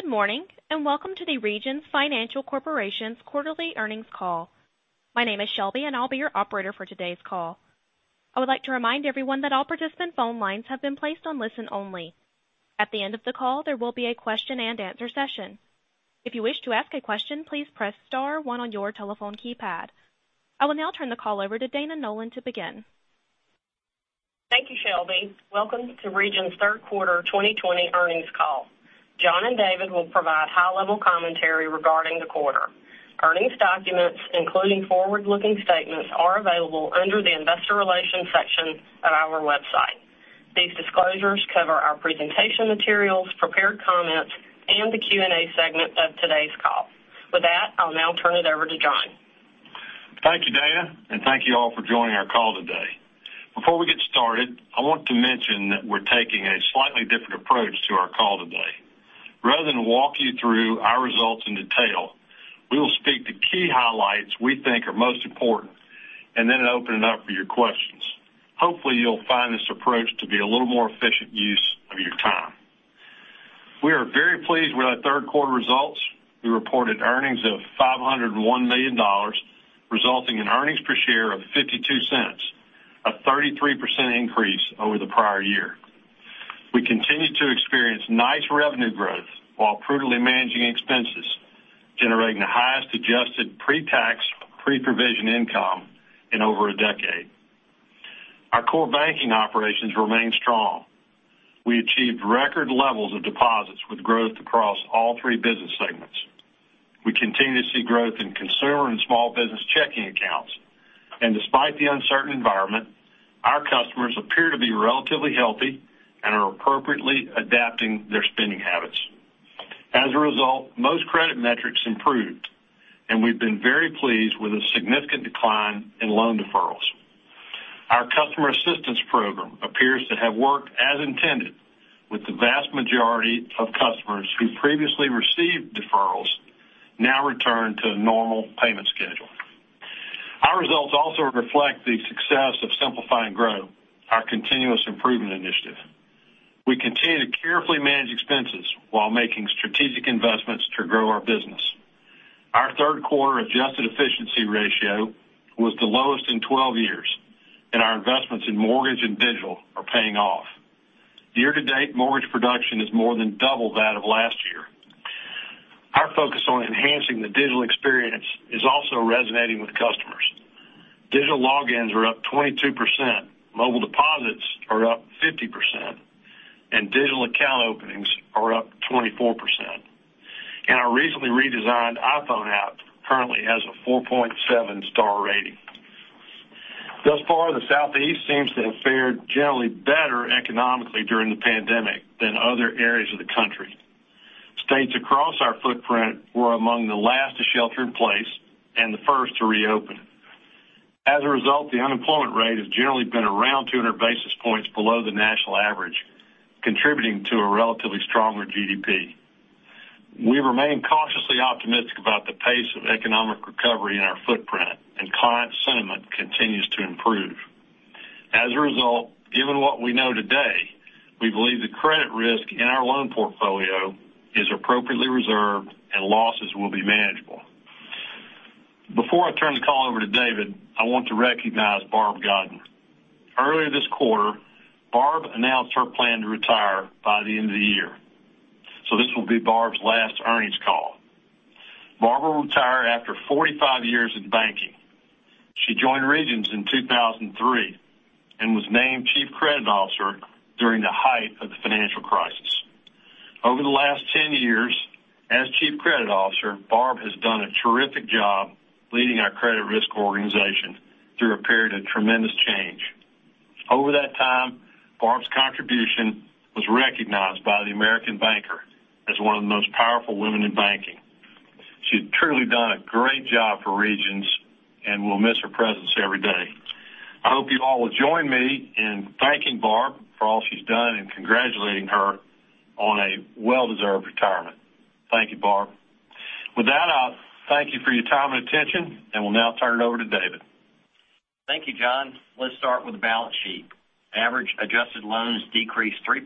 Good morning, and welcome to the Regions Financial Corporation's quarterly earnings call. My name is Shelby, and I'll be your operator for today's call. I would like to remind everyone that all participant phone lines have been placed on listen only. At the end of the call, there will be a question-and-answer session. If you wish to ask a question, please press star one on your telephone keypad. I will now turn the call over to Dana Nolan to begin. Thank you, Shelby. Welcome to Regions' third quarter 2020 earnings call. John and David will provide high-level commentary regarding the quarter. Earnings documents, including forward-looking statements, are available under the investor relations section of our website. These disclosures cover our presentation materials, prepared comments, and the Q&A segment of today's call. With that, I'll now turn it over to John. Thank you, Dana, thank you all for joining our call today. Before we get started, I want to mention that we're taking a slightly different approach to our call today. Rather than walk you through our results in detail, we will speak to key highlights we think are most important, and then open it up for your questions. Hopefully, you'll find this approach to be a little more efficient use of your time. We are very pleased with our third quarter results. We reported earnings of $501 million, resulting in earnings per share of $0.52, a 33% increase over the prior year. We continue to experience nice revenue growth while prudently managing expenses, generating the highest adjusted pre-tax, pre-provision income in over a decade. Our core banking operations remain strong. We achieved record levels of deposits with growth across all three business segments. We continue to see growth in consumer and small business checking accounts. Despite the uncertain environment, our customers appear to be relatively healthy and are appropriately adapting their spending habits. As a result, most credit metrics improved, and we've been very pleased with a significant decline in loan deferrals. Our customer assistance program appears to have worked as intended, with the vast majority of customers who previously received deferrals now returned to a normal payment schedule. Our results also reflect the success of Simplify and Grow, our continuous improvement initiative. We continue to carefully manage expenses while making strategic investments to grow our business. Our third quarter adjusted efficiency ratio was the lowest in 12 years, and our investments in mortgage and digital are paying off. Year-to-date mortgage production is more than double that of last year. Our focus on enhancing the digital experience is also resonating with customers. Digital logins are up 22%, mobile deposits are up 50%, and digital account openings are up 24%. Our recently redesigned iPhone app currently has a 4.7 star rating. Thus far, the Southeast seems to have fared generally better economically during the pandemic than other areas of the country. States across our footprint were among the last to shelter in place and the first to reopen. As a result, the unemployment rate has generally been around 200 basis points below the national average, contributing to a relatively stronger GDP. We remain cautiously optimistic about the pace of economic recovery in our footprint, and client sentiment continues to improve. As a result, given what we know today, we believe the credit risk in our loan portfolio is appropriately reserved, and losses will be manageable. Before I turn the call over to David, I want to recognize Barb Godin. Earlier this quarter, Barb announced her plan to retire by the end of the year. This will be Barb's last earnings call. Barb will retire after 45 years in banking. She joined Regions in 2003 and was named Chief Credit Officer during the height of the financial crisis. Over the last 10 years as Chief Credit Officer, Barb has done a terrific job leading our credit risk organization through a period of tremendous change. Over that time, Barb's contribution was recognized by the American Banker as one of the most powerful women in banking. She's truly done a great job for Regions and we'll miss her presence every day. I hope you all will join me in thanking Barb for all she's done and congratulating her on a well-deserved retirement. Thank you, Barb. With that, I'll thank you for your time and attention, and will now turn it over to David. Thank you, John. Let's start with the balance sheet. Average adjusted loans decreased 3%.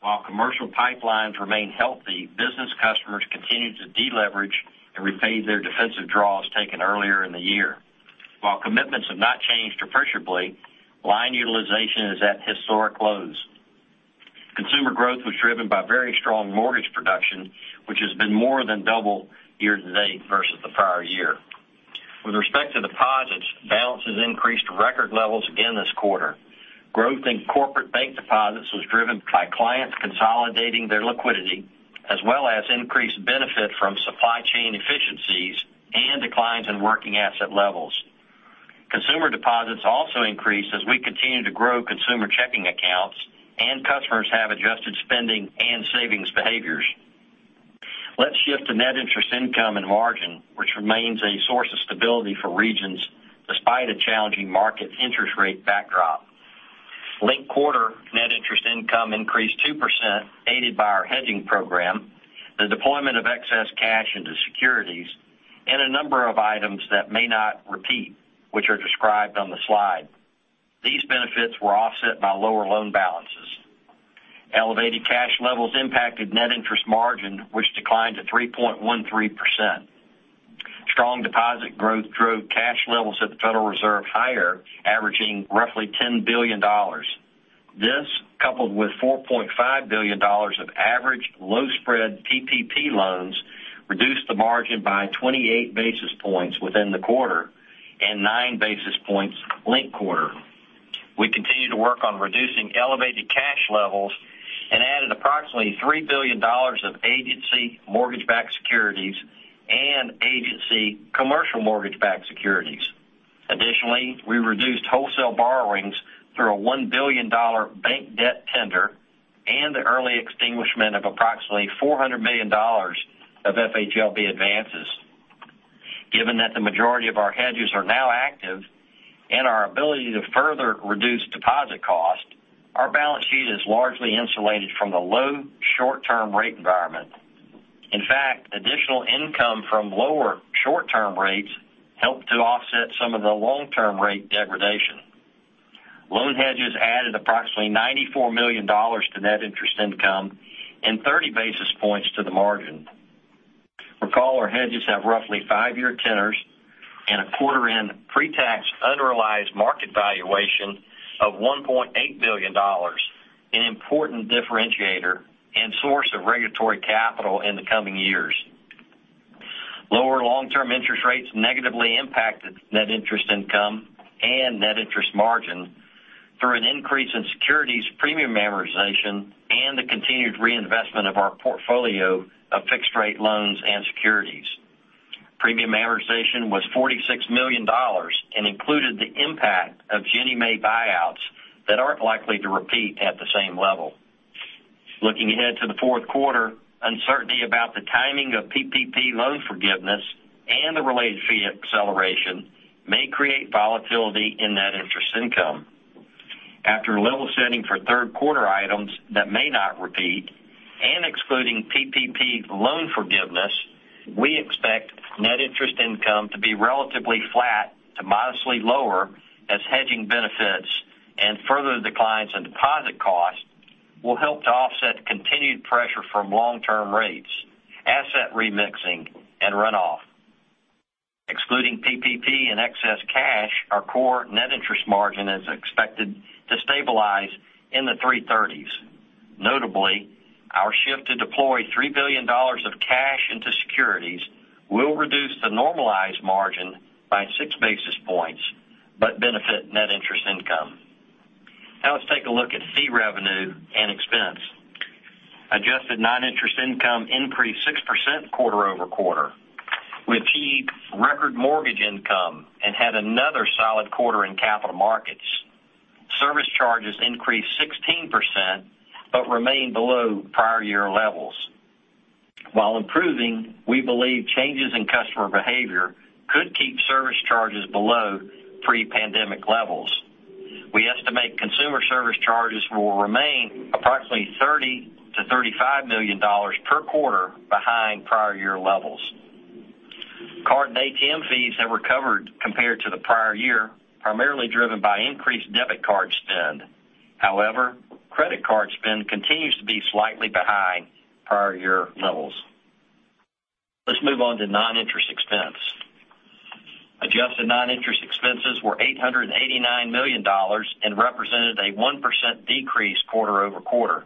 While commercial pipelines remain healthy, business customers continued to de-leverage and repaid their defensive draws taken earlier in the year. While commitments have not changed appreciably, line utilization is at historic lows. Consumer growth was driven by very strong mortgage production, which has been more than double year-to-date versus the prior year. With respect to deposits, balances increased to record levels again this quarter. Growth in corporate bank deposits was driven by clients consolidating their liquidity, as well as increased benefit from supply chain efficiencies and declines in working asset levels. Consumer deposits also increased as we continue to grow consumer checking accounts, and customers have adjusted spending and savings behaviors. Let's shift to net interest income and margin, which remains a source of stability for Regions despite a challenging market interest rate backdrop. Linked quarter net interest income increased 2%, aided by our hedging program, the deployment of excess cash into securities, and a number of items that may not repeat, which are described on the slide. Benefits were offset by lower loan balances. Elevated cash levels impacted net interest margin, which declined to 3.13%. Strong deposit growth drove cash levels at the Federal Reserve higher, averaging roughly $10 billion. This, coupled with $4.5 billion of average low-spread PPP loans, reduced the margin by 28 basis points within the quarter and 9 basis points linked quarter. We continue to work on reducing elevated cash levels and added approximately $3 billion of agency mortgage-backed securities and agency commercial mortgage-backed securities. Additionally, we reduced wholesale borrowings through a $1 billion bank debt tender and the early extinguishment of approximately $400 million of FHLB advances. Given that the majority of our hedges are now active and our ability to further reduce deposit cost, our balance sheet is largely insulated from the low short-term rate environment. In fact, additional income from lower short-term rates helped to offset some of the long-term rate degradation. Loan hedges added approximately $94 million to net interest income and 30 basis points to the margin. Recall our hedges have roughly five-year tenors and a quarter in pre-tax unrealized market valuation of $1.8 billion, an important differentiator and source of regulatory capital in the coming years. Lower long-term interest rates negatively impacted net interest income and net interest margin through an increase in securities premium amortization and the continued reinvestment of our portfolio of fixed rate loans and securities. Premium amortization was $46 million and included the impact of Ginnie Mae buyouts that aren't likely to repeat at the same level. Looking ahead to the fourth quarter, uncertainty about the timing of PPP loan forgiveness and the related fee acceleration may create volatility in net interest income. After level-setting for third quarter items that may not repeat and excluding PPP loan forgiveness, we expect net interest income to be relatively flat to modestly lower as hedging benefits and further declines in deposit costs will help to offset continued pressure from long-term rates, asset remixing, and runoff. Excluding PPP and excess cash, our core net interest margin is expected to stabilize in the 330s. Notably, our shift to deploy $3 billion of cash into securities will reduce the normalized margin by 6 basis points but benefit net interest income. Let's take a look at fee revenue and expense. Adjusted non-interest income increased 6% quarter-over-quarter. We achieved record mortgage income and had another solid quarter in capital markets. Service charges increased 16% but remained below prior year levels. While improving, we believe changes in customer behavior could keep service charges below pre-pandemic levels. We estimate consumer service charges will remain approximately $30 million-$35 million per quarter behind prior year levels. Card and ATM fees have recovered compared to the prior year, primarily driven by increased debit card spend. However, credit card spend continues to be slightly behind prior year levels. Let's move on to non-interest expense. Adjusted non-interest expenses were $889 million and represented a 1% decrease quarter-over-quarter.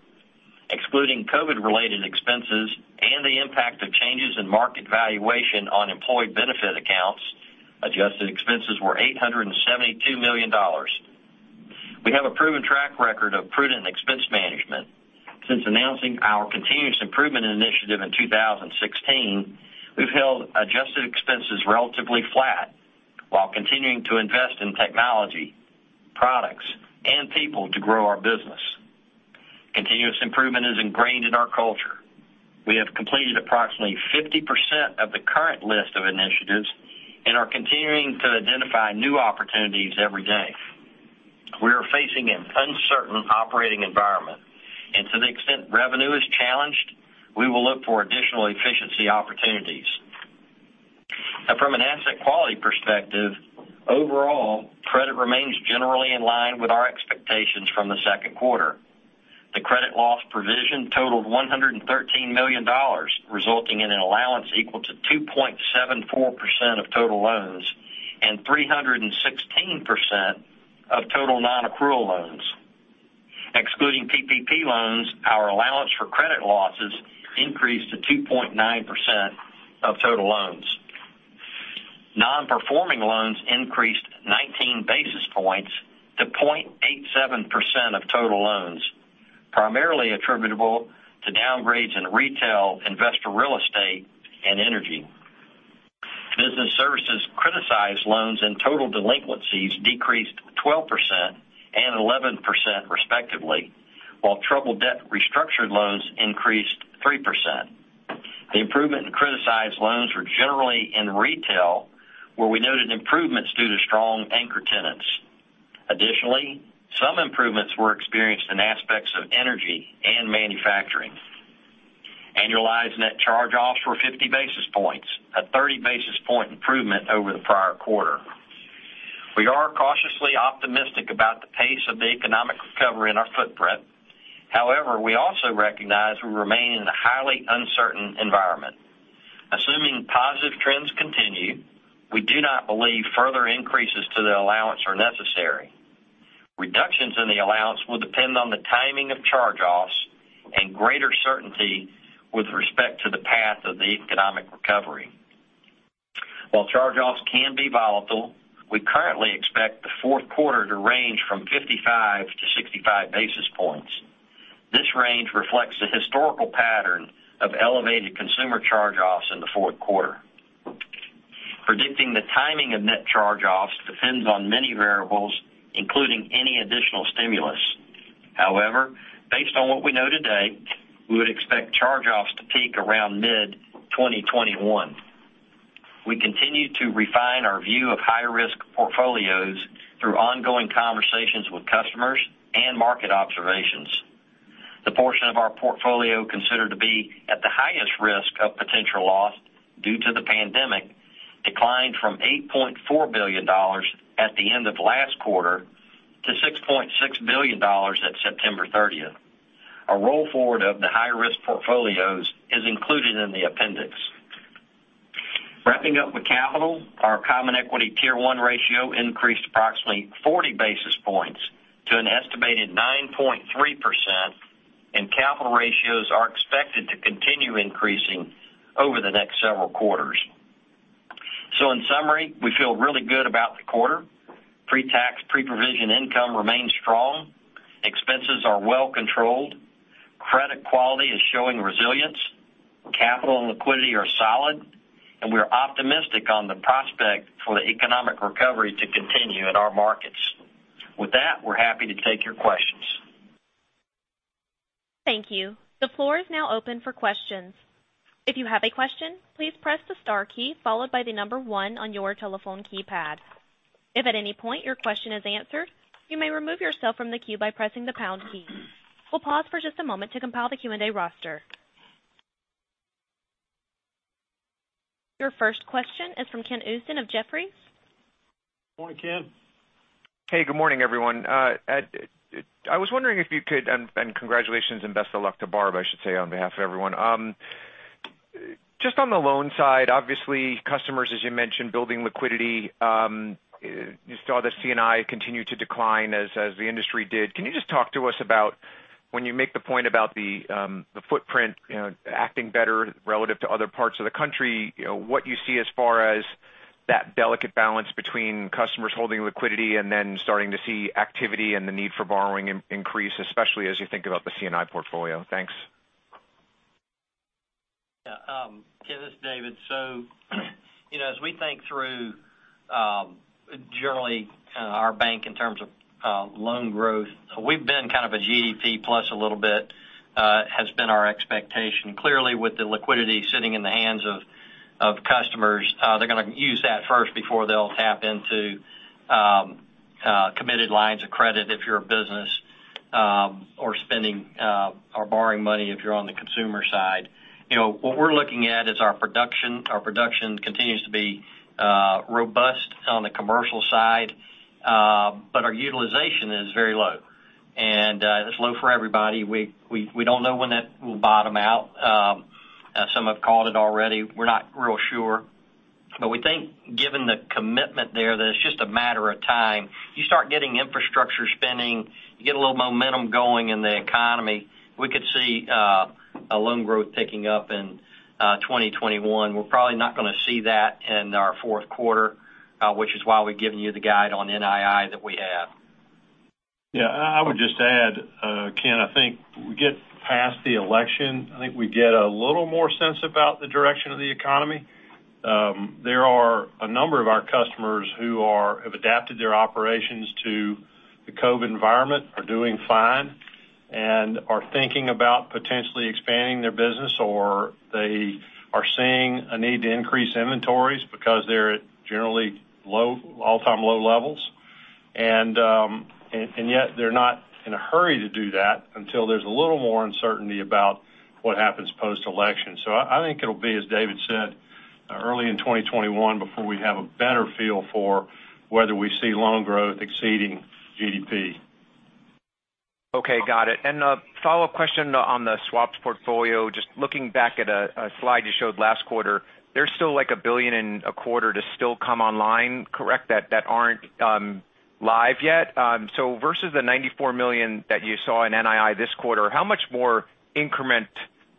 Excluding COVID related expenses and the impact of changes in market valuation on employed benefit accounts, adjusted expenses were $872 million. We have a proven track record of prudent expense management. Since announcing our continuous improvement initiative in 2016, we've held adjusted expenses relatively flat while continuing to invest in technology, products, and people to grow our business. Continuous improvement is ingrained in our culture. We have completed approximately 50% of the current list of initiatives and are continuing to identify new opportunities every day. We are facing an uncertain operating environment, and to the extent revenue is challenged, we will look for additional efficiency opportunities. Now from an asset quality perspective, overall, credit remains generally in line with our expectations from the second quarter. The credit loss provision totaled $113 million, resulting in an allowance equal to 2.74% of total loans and 316% of total non-accrual loans. Excluding PPP loans, our allowance for credit losses increased to 2.9% of total loans. Non-performing loans increased 19 basis points to 0.87% of total loans, primarily attributable to downgrades in retail, investor real estate, and energy. Business services criticized loans and total delinquencies decreased 12% and 11% respectively, while troubled debt restructured loans increased 3%. The improvement in criticized loans were generally in retail, where we noted improvements due to strong anchor tenants. Additionally, some improvements were experienced in aspects of energy and manufacturing 50 basis points, a 30 basis point improvement over the prior quarter. We are cautiously optimistic about the pace of the economic recovery in our footprint. However, we also recognize we remain in a highly uncertain environment. Assuming positive trends continue, we do not believe further increases to the allowance are necessary. Reductions in the allowance will depend on the timing of charge-offs and greater certainty with respect to the path of the economic recovery. While charge-offs can be volatile, we currently expect the fourth quarter to range from 55 basis points-65 basis points. This range reflects the historical pattern of elevated consumer charge-offs in the fourth quarter. Predicting the timing of net charge-offs depends on many variables, including any additional stimulus. However, based on what we know today, we would expect charge-offs to peak around mid-2021. We continue to refine our view of high-risk portfolios through ongoing conversations with customers and market observations. The portion of our portfolio considered to be at the highest risk of potential loss due to the pandemic declined from $8.4 billion at the end of last quarter to $6.6 billion at September 30th. A roll forward of the high-risk portfolios is included in the appendix. Wrapping up with capital, our Common Equity Tier 1 ratio increased approximately 40 basis points to an estimated 9.3%. Capital ratios are expected to continue increasing over the next several quarters. In summary, we feel really good about the quarter. Pre-tax, pre-provision income remains strong. Expenses are well controlled. Credit quality is showing resilience. Capital and liquidity are solid. We're optimistic on the prospect for the economic recovery to continue in our markets. With that, we're happy to take your questions. Thank you. The floor is now open for questions. If you have a question, please press the star key followed by the number one on your telephone keypad. If at any point your question is answered, you may remove yourself from the queue by pressing the pound key. We'll pause for just a moment to compile the Q&A roster. Your first question is from Ken Usdin of Jefferies. Morning, Ken. Hey, good morning, everyone. Congratulations and best of luck to Barb, I should say, on behalf of everyone. Just on the loan side, obviously customers, as you mentioned, building liquidity. You saw the C&I continue to decline as the industry did. Can you just talk to us about when you make the point about the footprint acting better relative to other parts of the country, what you see as far as that delicate balance between customers holding liquidity and then starting to see activity and the need for borrowing increase, especially as you think about the C&I portfolio? Thanks. Yeah. Ken, this is David. As we think through generally our bank in terms of loan growth, we've been kind of a GDP plus a little bit has been our expectation. Clearly, with the liquidity sitting in the hands of customers, they're going to use that first before they'll tap into committed lines of credit if you're a business or spending or borrowing money if you're on the consumer side. What we're looking at is our production. Our production continues to be robust on the commercial side, but our utilization is very low, and it's low for everybody. We don't know when that will bottom out. Some have called it already. We're not real sure, but we think given the commitment there, that it's just a matter of time. You start getting infrastructure spending, you get a little momentum going in the economy, we could see a loan growth picking up in 2021. We're probably not going to see that in our fourth quarter, which is why we've given you the guide on NII that we have. Yeah, I would just add, Ken, I think we get past the election, I think we get a little more sense about the direction of the economy. There are a number of our customers who have adapted their operations to the COVID environment, are doing fine, and are thinking about potentially expanding their business, or they are seeing a need to increase inventories because they're at generally all-time low levels. Yet they're not in a hurry to do that until there's a little more uncertainty about what happens post-election. I think it'll be, as David said, early in 2021 before we have a better feel for whether we see loan growth exceeding GDP. Okay, got it. A follow-up question on the swaps portfolio. Just looking back at a slide you showed last quarter, there's still like a billion and a quarter to still come online, correct? That aren't live yet. Versus the $94 million that you saw in NII this quarter, how much more increment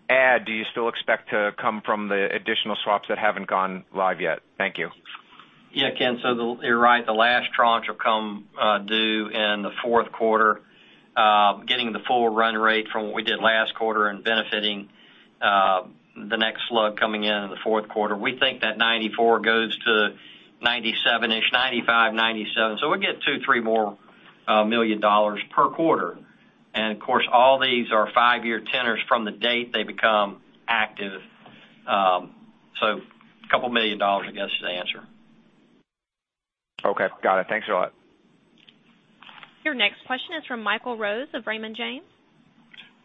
add do you still expect to come from the additional swaps that haven't gone live yet? Thank you. Yeah, Ken, you're right. The last tranche will come due in the fourth quarter. Getting the full run rate from what we did last quarter and benefiting the next slug coming in in the fourth quarter. We think that 94 goes to 97-ish, 95, 97. We'll get two, three more million dollars per quarter. Of course, all these are 5-year tenors from the date they become active. A couple million dollar, I guess, is the answer. Okay, got it. Thanks a lot. Your next question is from Michael Rose of Raymond James.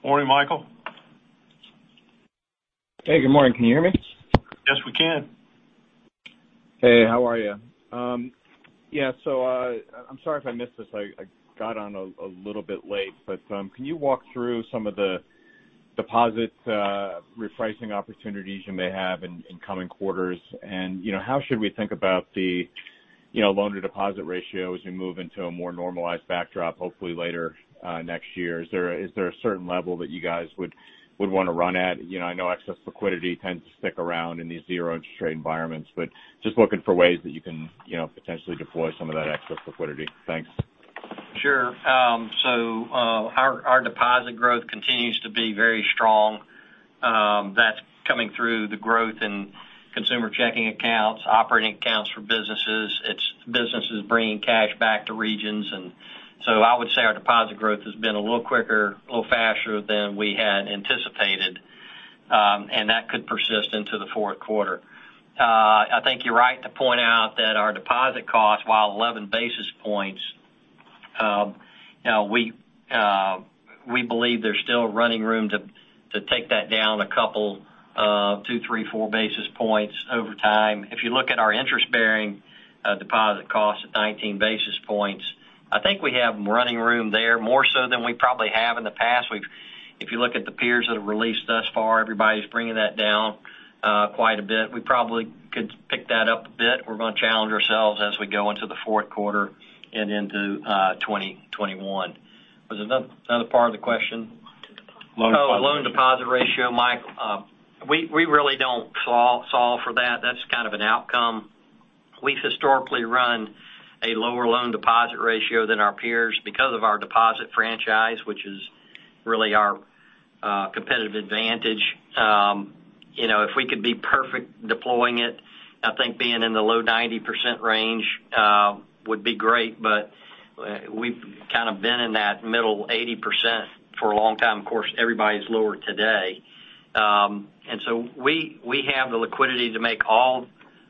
Morning, Michael. Hey, good morning. Can you hear me? Yes, we can. Hey, how are you? I'm sorry if I missed this. I got on a little bit late. Can you walk through some of the deposit repricing opportunities you may have in coming quarters? How should we think about the loan-to-deposit ratio as you move into a more normalized backdrop, hopefully later next year? Is there a certain level that you guys would want to run at? I know excess liquidity tends to stick around in these zero interest rate environments, but just looking for ways that you can potentially deploy some of that excess liquidity. Thanks. Sure. Our deposit growth continues to be very strong. That's coming through the growth in consumer checking accounts, operating accounts for businesses. It's businesses bringing cash back to Regions. I would say our deposit growth has been a little quicker, a little faster than we had anticipated. That could persist into the fourth quarter. I think you're right to point out that our deposit costs, while 11 basis points, we believe there's still running room to take that down a couple, two, three, four basis points over time. If you look at our interest-bearing deposit costs at 19 basis points, I think we have running room there, more so than we probably have in the past. If you look at the peers that have released thus far, everybody's bringing that down quite a bit. We probably could pick that up a bit. We're going to challenge ourselves as we go into the fourth quarter and into 2021. Was there another part of the question? Loan deposit. Loan deposit ratio, Mike. We really don't solve for that. That's kind of an outcome. We've historically run a lower loan deposit ratio than our peers because of our deposit franchise, which is really our competitive advantage. If we could be perfect deploying it, I think being in the low 90% range would be great, but we've kind of been in that middle 80% for a long time. Of course, everybody's lower today. We have the liquidity to make all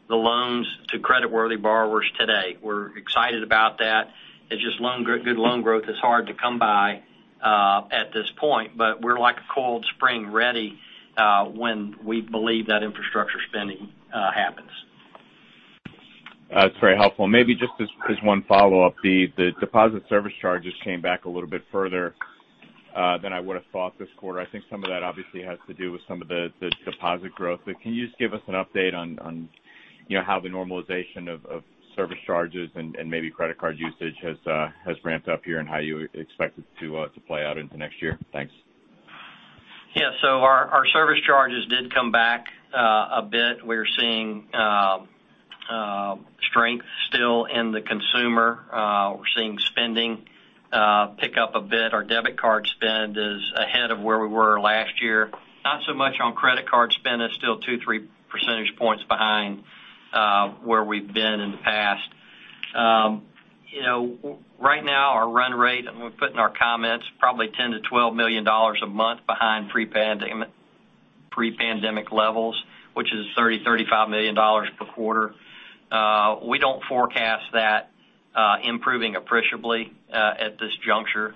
the loans to creditworthy borrowers today. We're excited about that. It's just good loan growth is hard to come by at this point, but we're like a cold spring ready when we believe that infrastructure spending happens. That's very helpful. Maybe just as one follow-up, the deposit service charges came back a little bit further than I would have thought this quarter. I think some of that obviously has to do with some of the deposit growth. Can you just give us an update on how the normalization of service charges and maybe credit card usage has ramped up here and how you expect it to play out into next year? Thanks. Yeah. Our service charges did come back a bit. We're seeing strength still in the consumer. We're seeing spending pick up a bit. Our debit card spend is ahead of where we were last year. Not so much on credit card spend. It's still two, three percentage points behind where we've been in the past. Right now, our run rate, and we put in our comments, probably $10 million-$12 million a month behind pre-pandemic levels, which is $30 million-$35 million per quarter. We don't forecast that improving appreciably at this juncture.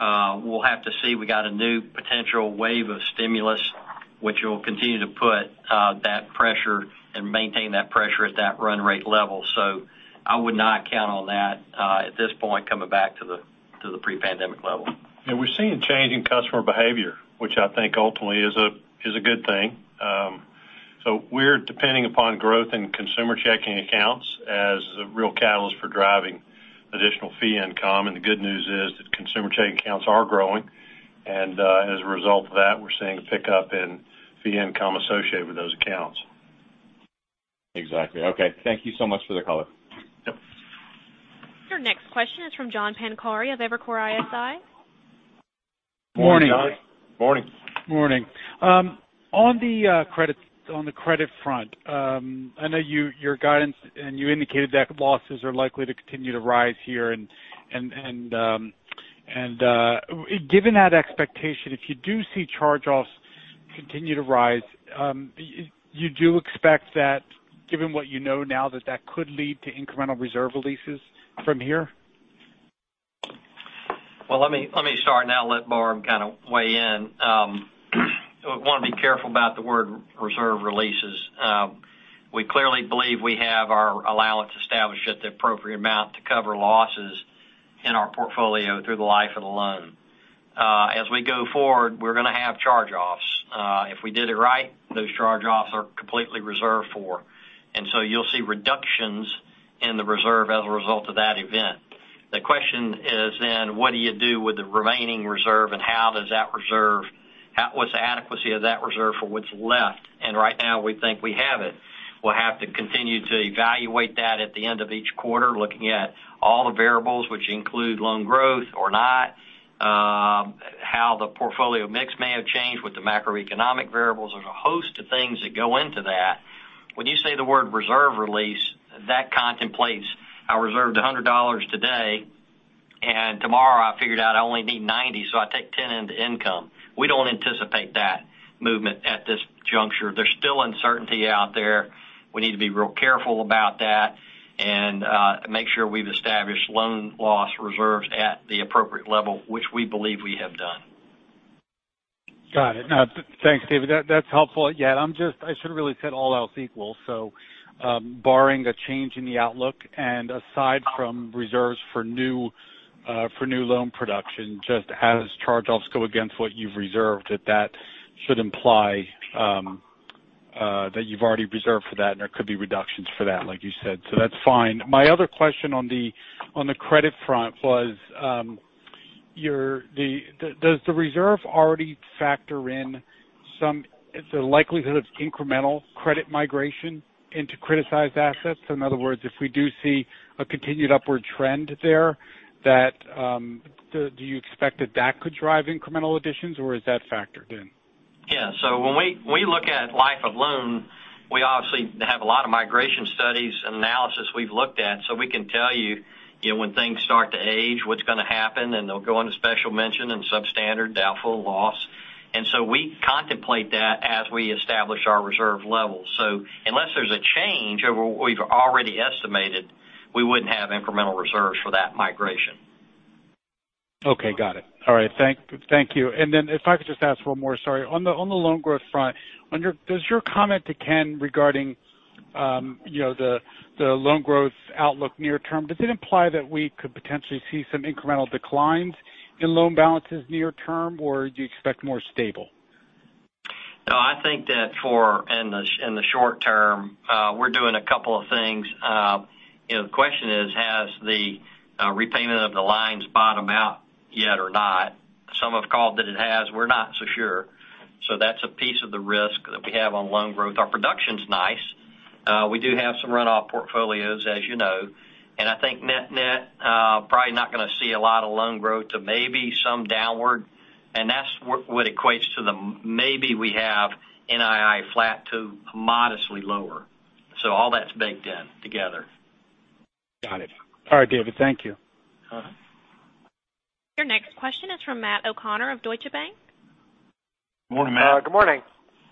We'll have to see. We got a new potential wave of stimulus, which will continue to put that pressure and maintain that pressure at that run rate level. I would not count on that at this point coming back to the pre-pandemic level. We're seeing changing customer behavior, which I think ultimately is a good thing. We're depending upon growth in consumer checking accounts as the real catalyst for driving additional fee income. The good news is that consumer checking accounts are growing. As a result of that, we're seeing a pickup in fee income associated with those accounts. Exactly. Okay. Thank you so much for the color. Yep. Your next question is from John Pancari of Evercore ISI. Morning, John. Morning. Morning. On the credit front, I know your guidance and you indicated that losses are likely to continue to rise here. Given that expectation, if you do see charge-offs continue to rise, you do expect that given what you know now, that that could lead to incremental reserve releases from here? Well, let me start now and let Barb kind of weigh in. I want to be careful about the word reserve releases. We clearly believe we have our allowance established at the appropriate amount to cover losses in our portfolio through the life of the loan. As we go forward, we're going to have charge-offs. If we did it right, those charge-offs are completely reserved for. You'll see reductions in the reserve as a result of that event. The question is, what do you do with the remaining reserve, and what's the adequacy of that reserve for what's left? Right now, we think we have it. We'll have to continue to evaluate that at the end of each quarter, looking at all the variables, which include loan growth or not, how the portfolio mix may have changed with the macroeconomic variables. There's a host of things that go into that. When you say the word reserve release, that contemplates I reserved $100 today. Tomorrow I figured out I only need 90, so I take $10 into income. We don't anticipate that movement at this juncture. There's still uncertainty out there. We need to be real careful about that and make sure we've established loan loss reserves at the appropriate level, which we believe we have done. Got it. Thanks, David. That's helpful. Yeah, I should've really said all else equal, so barring a change in the outlook and aside from reserves for new loan production, just as charge-offs go against what you've reserved, that should imply that you've already reserved for that, and there could be reductions for that, like you said. That's fine. My other question on the credit front was, does the reserve already factor in some the likelihood of incremental credit migration into criticized assets? In other words, if we do see a continued upward trend there, do you expect that that could drive incremental additions, or is that factored in? When we look at life of loan, we obviously have a lot of migration studies and analysis we've looked at, so we can tell you when things start to age, what's going to happen, and they'll go into special mention and substandard, doubtful, loss. We contemplate that as we establish our reserve levels. Unless there's a change over what we've already estimated, we wouldn't have incremental reserves for that migration. Okay, got it. All right, thank you. If I could just ask one more, sorry. On the loan growth front, does your comment to Ken regarding the loan growth outlook near term, does it imply that we could potentially see some incremental declines in loan balances near term, or do you expect more stable? I think that in the short term, we're doing a couple of things. The question is, has the repayment of the lines bottomed out yet or not? Some have called that it has, we're not so sure. That's a piece of the risk that we have on loan growth. Our production's nice. We do have some runoff portfolios, as you know. I think net-net, probably not going to see a lot of loan growth to maybe some downward, and that's what equates to the maybe we have NII flat to modestly lower. All that's baked in together. Got it. All right, David, thank you. Your next question is from Matt O'Connor of Deutsche Bank. Morning, Matt. Good morning.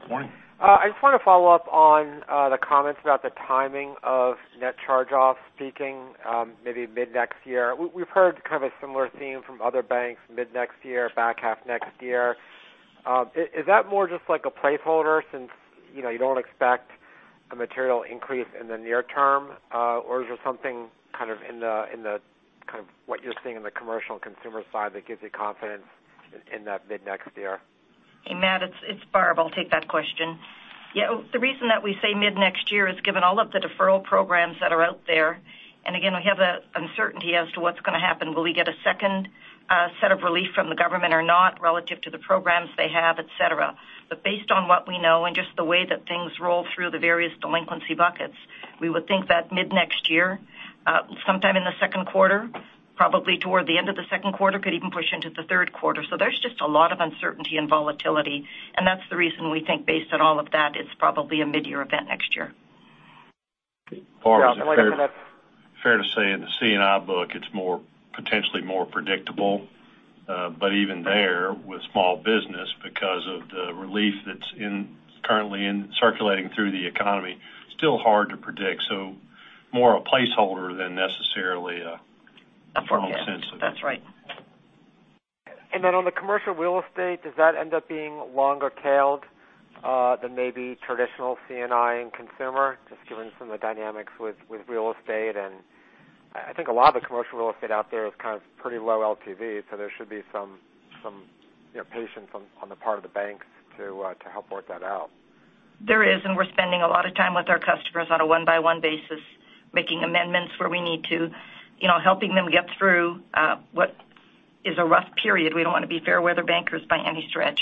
Morning. I just want to follow up on the comments about the timing of net charge-offs peaking maybe mid next year. We've heard kind of a similar theme from other banks mid next year, back half next year. Is that more just like a placeholder since you don't expect a material increase in the near term? Is there something kind of what you're seeing in the commercial and consumer side that gives you confidence in that mid next year? Hey, Matt, it's Barb. I'll take that question. Yeah, the reason that we say mid next year is given all of the deferral programs that are out there, and again, we have the uncertainty as to what's going to happen. Will we get a second set of relief from the government or not relative to the programs they have, et cetera? Based on what we know and just the way that things roll through the various delinquency buckets, we would think that mid next year, sometime in the second quarter, probably toward the end of the second quarter, could even push into the third quarter. There's just a lot of uncertainty and volatility, and that's the reason we think based on all of that, it's probably a mid-year event next year. Barb, it's fair to say in the C&I book, it's potentially more predictable. Even there, with small business because of the relief that's currently circulating through the economy, still hard to predict. More a placeholder than necessarily a firm sense of it. That's right. On the commercial real estate, does that end up being longer tailed than maybe traditional C&I and consumer, just given some of the dynamics with real estate? I think a lot of the commercial real estate out there is kind of pretty low LTV, so there should be some patience on the part of the banks to help work that out. There is, and we're spending a lot of time with our customers on a one-by-one basis, making amendments where we need to, helping them get through what is a rough period. We don't want to be fair weather bankers by any stretch.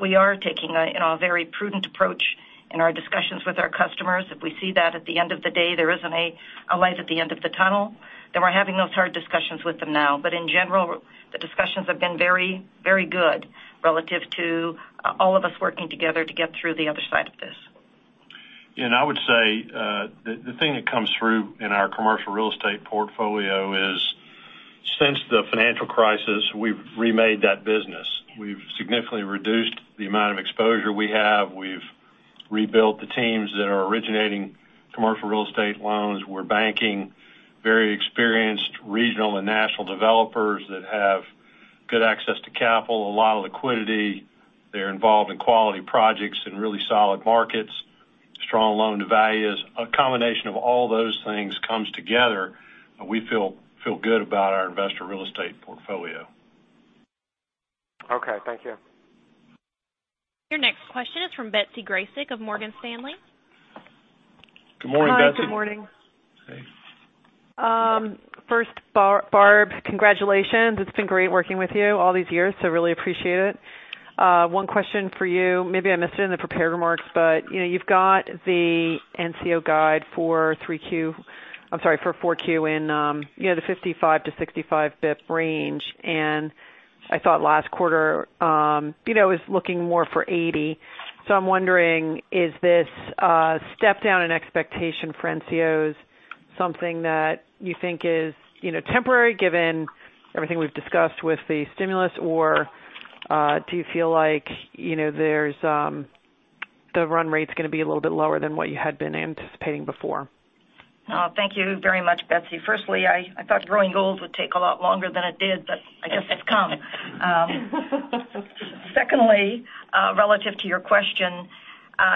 We are taking a very prudent approach in our discussions with our customers. If we see that at the end of the day, there isn't a light at the end of the tunnel, then we're having those hard discussions with them now. In general, the discussions have been very good relative to all of us working together to get through the other side of this. I would say, the thing that comes through in our commercial real estate portfolio is since the financial crisis, we've remade that business. We've significantly reduced the amount of exposure we have. We've rebuilt the teams that are originating commercial real estate loans. We're banking very experienced regional and national developers that have good access to capital, a lot of liquidity. They're involved in quality projects in really solid markets, strong loan to values. A combination of all those things comes together, we feel good about our investor real estate portfolio. Okay, thank you. Your next question is from Betsy Graseck of Morgan Stanley. Good morning, Betsy. Hi, good morning. Hey. First, Barb, congratulations. It's been great working with you all these years, so really appreciate it. One question for you. Maybe I missed it in the prepared remarks, but you've got the NCO guide for 4Q in the 55 basis points-65 basis points range, and I thought last quarter, I was looking more for 80. I'm wondering, is this a step down in expectation for NCOs something that you think is temporary, given everything we've discussed with the stimulus, or do you feel like the run rate's going to be a little bit lower than what you had been anticipating before? Thank you very much, Betsy. Firstly, I thought growing old would take a lot longer than it did, but I guess it's come. Relative to your question,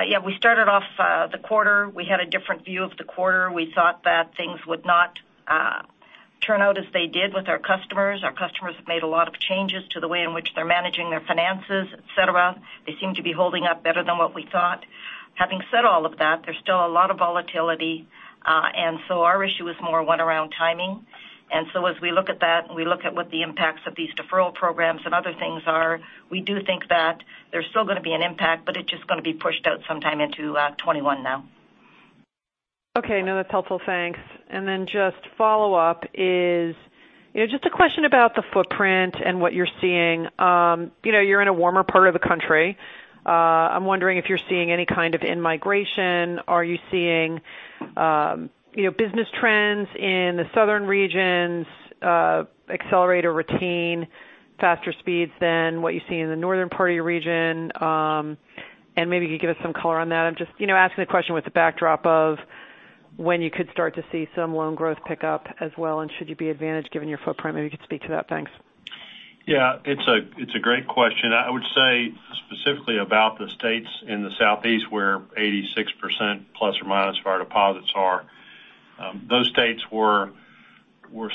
yeah, we started off the quarter, we had a different view of the quarter. We thought that things would not turn out as they did with our customers. Our customers have made a lot of changes to the way in which they're managing their finances, et cetera. They seem to be holding up better than what we thought. Having said all of that, there's still a lot of volatility. So our issue is more one around timing. As we look at that and we look at what the impacts of these deferral programs and other things are, we do think that there's still going to be an impact, but it's just going to be pushed out sometime into 2021 now. Okay. No, that's helpful. Thanks. Then just follow up is just a question about the footprint and what you're seeing. You're in a warmer part of the country. I'm wondering if you're seeing any kind of in-migration. Are you seeing business trends in the southern regions accelerate or retain faster speeds than what you see in the northern part of your region? Maybe you could give us some color on that. I'm just asking the question with the backdrop of when you could start to see some loan growth pick up as well, and should you be advantaged given your footprint. Maybe you could speak to that. Thanks. Yeah, it's a great question. I would say specifically about the states in the southeast where 86%±, of our deposits are. Those states were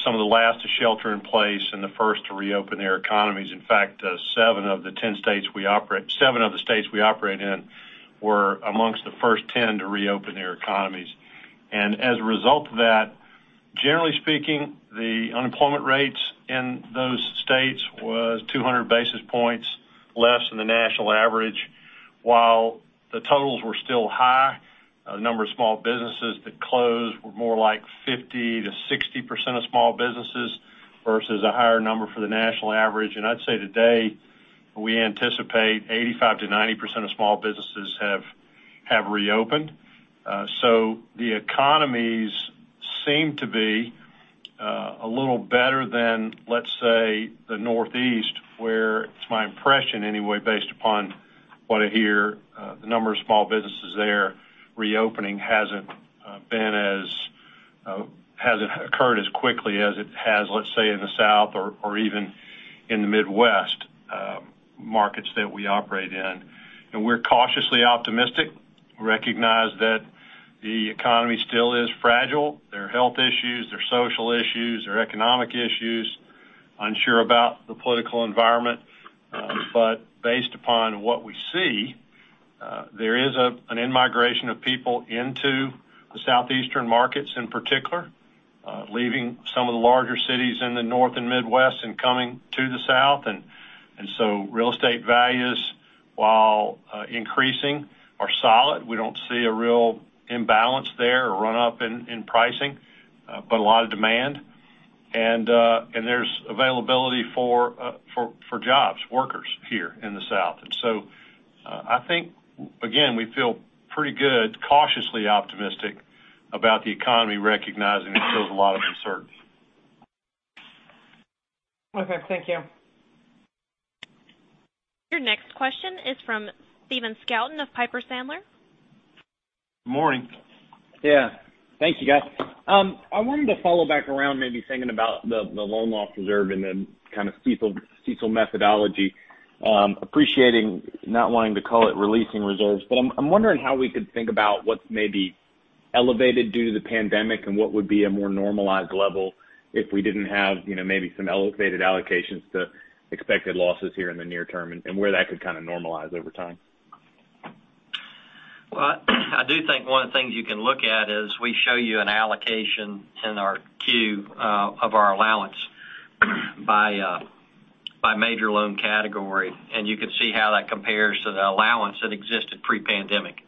some of the last to shelter in place and the first to reopen their economies. In fact, seven of the states we operate in were amongst the first 10 to reopen their economies. As a result of that, generally speaking, the unemployment rates in those states was 200 basis points less than the national average. While the totals were still high, a number of small businesses that closed were more like 50%-60% of small businesses versus a higher number for the national average. I'd say today, we anticipate 85%-90% of small businesses have reopened. The economies seem to be a little better than, let's say, the Northeast, where it's my impression, anyway, based upon what I hear, the number of small businesses there reopening hasn't occurred as quickly as it has, let's say, in the South or even in the Midwest markets that we operate in. We're cautiously optimistic. Recognize that the economy still is fragile. There are health issues, there are social issues, there are economic issues. Unsure about the political environment. Based upon what we see, there is an in-migration of people into the Southeastern markets in particular, leaving some of the larger cities in the North and Midwest and coming to the South. Real estate values, while increasing, are solid. We don't see a real imbalance there or run up in pricing, but a lot of demand. There's availability for jobs, workers here in the South. I think, again, we feel pretty good, cautiously optimistic about the economy, recognizing it shows a lot of uncertainty. Okay. Thank you. Your next question is from Stephen Scouten of Piper Sandler. Morning. Yeah. Thank you, guys. I wanted to follow back around maybe thinking about the loan loss reserve and the kind of CECL methodology. Appreciating not wanting to call it releasing reserves, but I'm wondering how we could think about what's maybe elevated due to the pandemic and what would be a more normalized level if we didn't have maybe some elevated allocations to expected losses here in the near term and where that could kind of normalize over time. Well, I do think one of the things you can look at is we show you an allocation in our Q of our allowance by major loan category, and you can see how that compares to the allowance that existed pre-pandemic.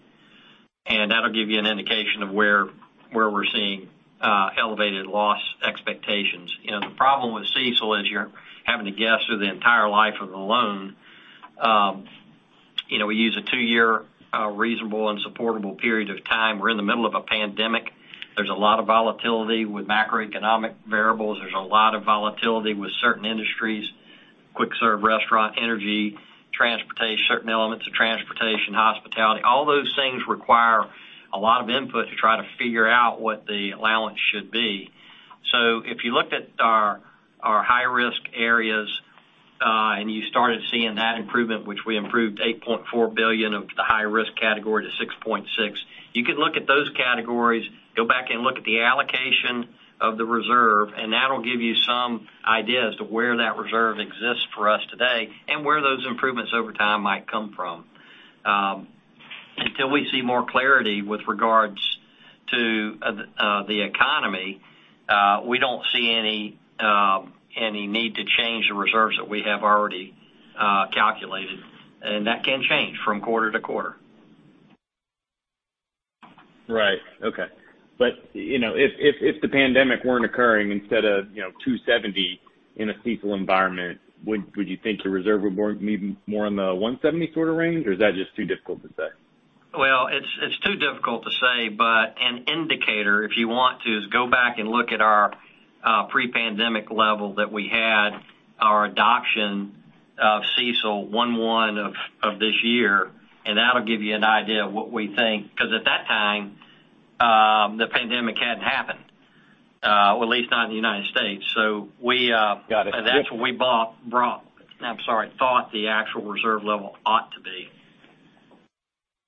That'll give you an indication of where we're seeing elevated loss expectations. The problem with CECL is you're having to guess through the entire life of the loan. We use a two-year reasonable and supportable period of time. We're in the middle of a pandemic. There's a lot of volatility with macroeconomic variables. There's a lot of volatility with certain industries, quick-serve restaurant, energy, certain elements of transportation, hospitality. All those things require a lot of input to try to figure out what the allowance should be. If you looked at our high-risk areas, and you started seeing that improvement, which we improved $8.4 billion of the high-risk category to 6.6. You could look at those categories, go back and look at the allocation of the reserve, and that'll give you some idea as to where that reserve exists for us today and where those improvements over time might come from. Until we see more clarity with regards to the economy, we don't see any need to change the reserves that we have already calculated, and that can change from quarter to quarter. Okay. If the pandemic weren't occurring, instead of 270 in a CECL environment, would you think your reserve would be more in the 170 sort of range? Is that just too difficult to say? Well, it's too difficult to say, but an indicator, if you want to, is go back and look at our pre-pandemic level that we had, our adoption of CECL one-one of this year, and that'll give you an idea of what we think. At that time, the pandemic hadn't happened, or at least not in the U.S. Got it. That's what we thought the actual reserve level ought to be.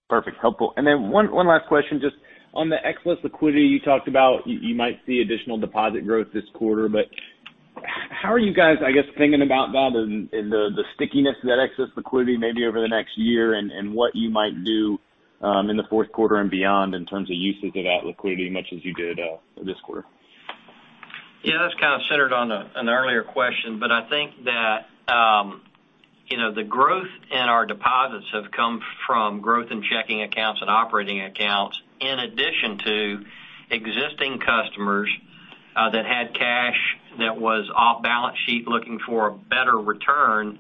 Perfect. Helpful. One last question, just on the excess liquidity you talked about, you might see additional deposit growth this quarter, but how are you guys, I guess, thinking about that and the stickiness of that excess liquidity maybe over the next year and what you might do in the fourth quarter and beyond in terms of uses of that liquidity, much as you did this quarter? Yeah. That's kind of centered on an earlier question, but I think that the growth in our deposits have come from growth in checking accounts and operating accounts, in addition to existing customers that had cash that was off balance sheet looking for a better return,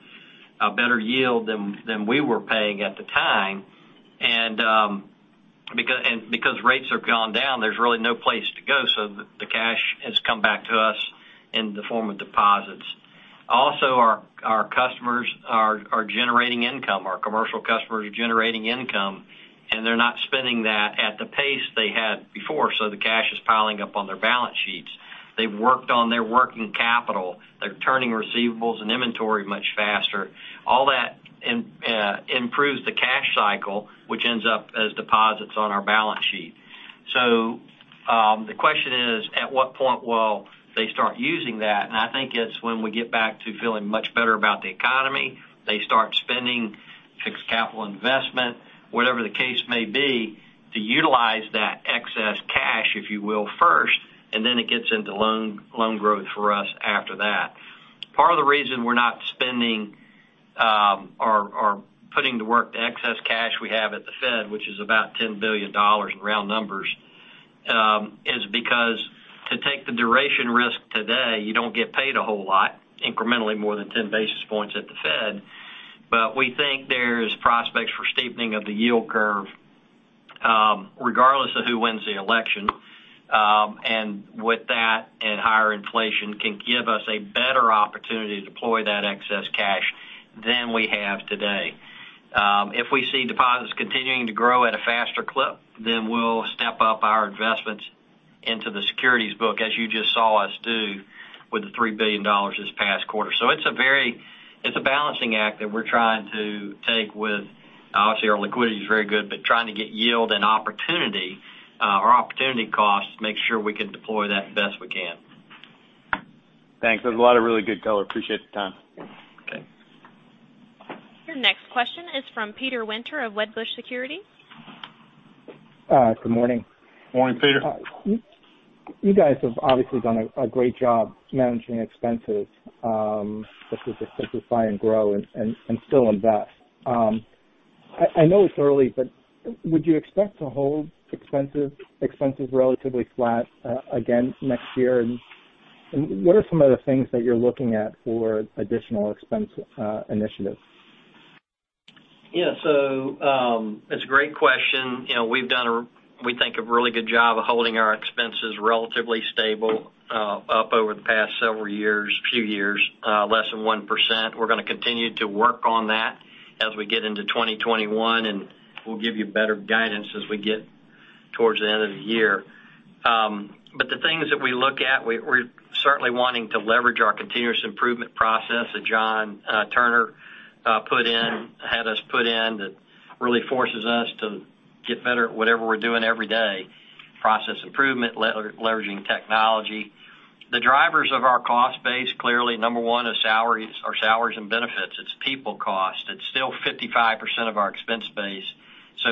a better yield than we were paying at the time. Because rates have gone down, there's really no place to go, so the cash has come back to us in the form of deposits. Also, our customers are generating income. Our commercial customers are generating income, and they're not spending that at the pace they had before, so the cash is piling up on their balance sheets. They've worked on their working capital. They're turning receivables and inventory much faster. All that improves the cash cycle, which ends up as deposits on our balance sheet. The question is, at what point will they start using that? I think it's when we get back to feeling much better about the economy, they start spending, fixed capital investment, whatever the case may be, to utilize that excess cash, if you will, first, and then it gets into loan growth for us after that. Part of the reason we're not spending or putting to work the excess cash we have at the Fed, which is about $10 billion in round numbers, is because to take the duration risk today, you don't get paid a whole lot, incrementally more than 10 basis points at the Fed. We think there's prospects for steepening of the yield curve, regardless of who wins the election. With that and higher inflation can give us a better opportunity to deploy that excess cash than we have today. If we see deposits continuing to grow at a faster clip, then we'll step up our investments into the securities book, as you just saw us do with the $3 billion this past quarter. It's a balancing act that we're trying to take, obviously, our liquidity is very good, but trying to get yield and opportunity, or opportunity costs, to make sure we can deploy that best we can. Thanks. That was a lot of really good color. Appreciate the time. Okay. Your next question is from Peter Winter of Wedbush Securities. Good morning. Morning, Peter. You guys have obviously done a great job managing expenses, such as the Simplify and Grow and still invest. I know it's early, but would you expect to hold expenses relatively flat again next year? What are some of the things that you're looking at for additional expense initiatives? Yeah. It's a great question. We've done, we think, a really good job of holding our expenses relatively stable up over the past several years, few years, less than 1%. We're going to continue to work on that as we get into 2021. We'll give you better guidance as we get towards the end of the year. The things that we look at, we're certainly wanting to leverage our continuous improvement process that John Turner had us put in, that really forces us to get better at whatever we're doing every day, process improvement, leveraging technology. The drivers of our cost base, clearly number 1 is our salaries and benefits. It's people cost. It's still 55% of our expense base.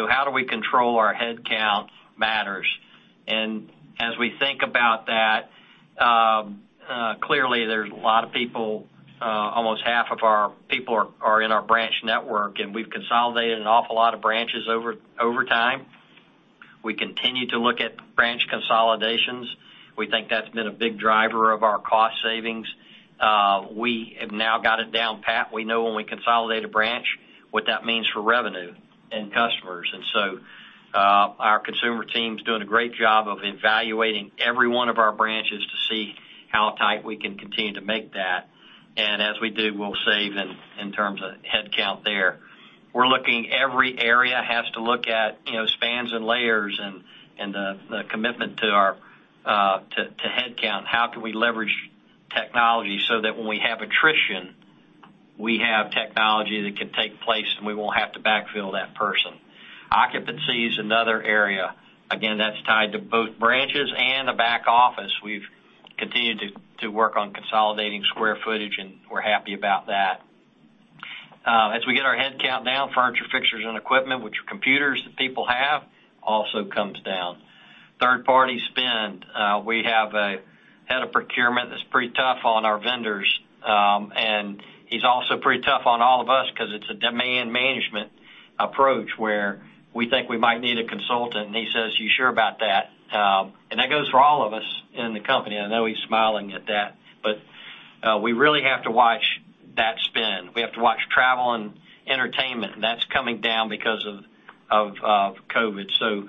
How do we control our headcount matters. As we think about that, clearly, there's a lot of people, almost half of our people are in our branch network, and we've consolidated an awful lot of branches over time. We continue to look at branch consolidations. We think that's been a big driver of our cost savings. We have now got it down pat. We know when we consolidate a branch, what that means for revenue and customers. So, our consumer team's doing a great job of evaluating every one of our branches to see how tight we can continue to make that. As we do, we'll save in terms of headcount there. Every area has to look at spans and layers and the commitment to headcount. How can we leverage technology so that when we have attrition, we have technology that can take place, and we won't have to backfill that person. Occupancy is another area. That's tied to both branches and the back office. We've continued to work on consolidating square footage, and we're happy about that. As we get our headcount down, furniture, fixtures, and equipment, which are computers that people have, also comes down. Third-party spend. We have a head of procurement that's pretty tough on our vendors and he's also pretty tough on all of us because it's a demand management approach where we think we might need a consultant, and he says, You sure about that? That goes for all of us in the company. I know he's smiling at that. We really have to watch that spend. We have to watch travel and entertainment, and that's coming down because of COVID.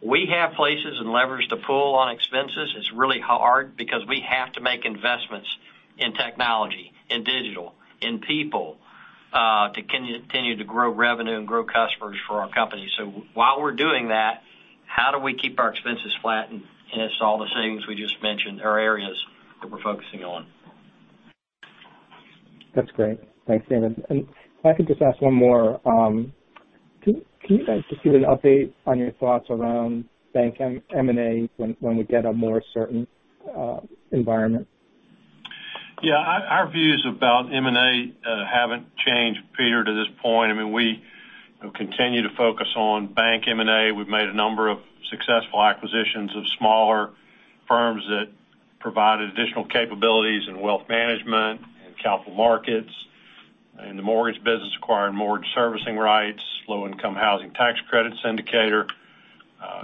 We have places and levers to pull on expenses. It's really hard because we have to make investments in technology, in digital, in people to continue to grow revenue and grow customers for our company. While we're doing that, how do we keep our expenses flat? It's all the things we just mentioned are areas that we're focusing on. That's great. Thanks, David. If I could just ask one more. Can you guys just give an update on your thoughts around bank M&A when we get a more certain environment? Our views about M&A haven't changed, Peter, to this point. We continue to focus on bank M&A. We've made a number of successful acquisitions of smaller firms that provided additional capabilities in wealth management and capital markets. In the mortgage business, acquiring mortgage servicing rights, low-income housing tax credit syndicator,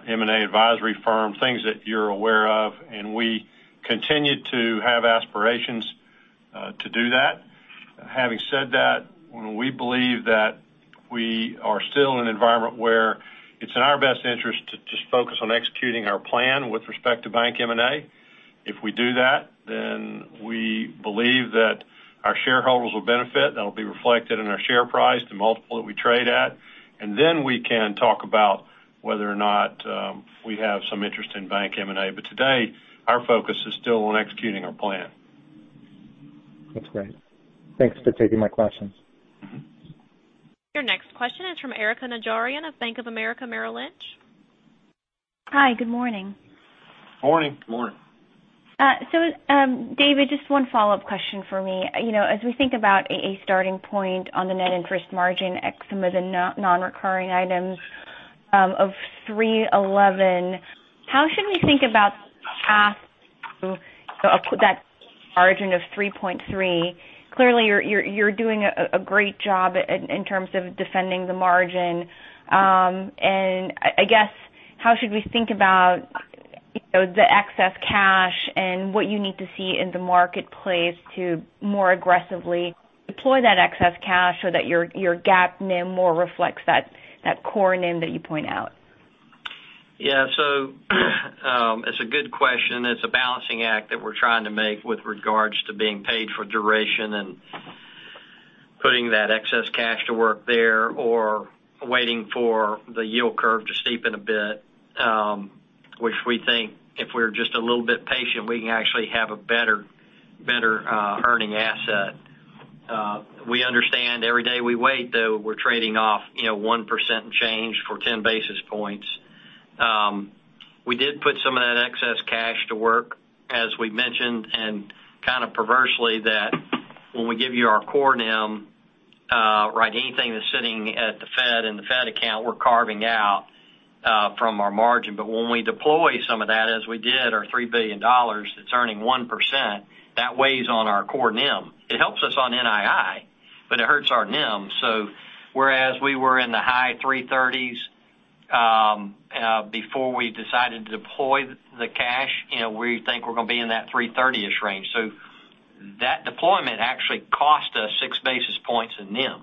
M&A advisory firm, things that you're aware of. We continue to have aspirations to do that. Having said that, when we believe that we are still in an environment where it's in our best interest to just focus on executing our plan with respect to bank M&A. If we do that, we believe that our shareholders will benefit. That'll be reflected in our share price, the multiple that we trade at. We can talk about whether or not we have some interest in bank M&A. Today, our focus is still on executing our plan. That's great. Thanks for taking my questions. Your next question is from Erika Najarian of Bank of America Merrill Lynch. Hi, good morning. Morning. Morning. David, just one follow-up question for me. As we think about a starting point on the net interest margin at some of the non-recurring items of 3.11%, how should we think about the path to that margin of 3.3%? Clearly, you're doing a great job in terms of defending the margin. I guess, how should we think about the excess cash and what you need to see in the marketplace to more aggressively deploy that excess cash so that your GAAP NIM more reflects that core NIM that you point out? It's a good question. It's a balancing act that we're trying to make with regards to being paid for duration and putting that excess cash to work there or waiting for the yield curve to steepen a bit, which we think if we're just a little bit patient, we can actually have a better earning asset. We understand every day we wait, though, we're trading off 1% change for 10 basis points. We did put some of that excess cash to work, as we mentioned, and kind of perversely that when we give you our core NIM, anything that's sitting at the Fed in the Fed account, we're carving out from our margin. When we deploy some of that, as we did our $3 billion that's earning 1%, that weighs on our core NIM. It helps us on NII, it hurts our NIM. Whereas we were in the high 3.30s before we decided to deploy the cash, we think we're going to be in that 3.30-ish range. That deployment actually cost us 6 basis points in NIM.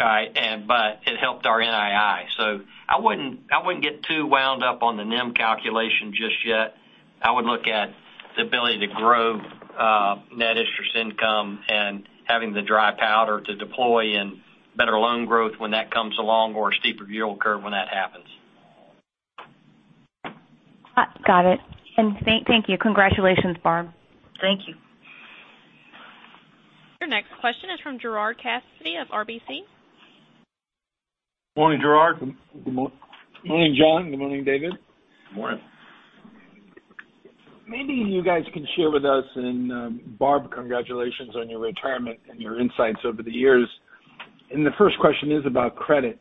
All right. It helped our NII. I wouldn't get too wound up on the NIM calculation just yet. I would look at the ability to grow net interest income and having the dry powder to deploy in better loan growth when that comes along or a steeper yield curve when that happens. Got it. Thank you. Congratulations, Barb. Thank you. Your next question is from Gerard Cassidy of RBC. Morning, Gerard. Good morning, John. Good morning, David. Good morning. Maybe you guys can share with us, Barb, congratulations on your retirement and your insights over the years. The first question is about credit.